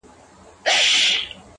• په لومړۍ شپه وو خپل خدای ته ژړېدلی ,